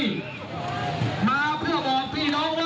มาเพื่อบอกพี่น้องว่าวันนี้ภารกิจของเรา